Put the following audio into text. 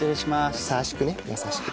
優しくね優しく。